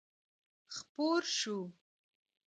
خپور شو.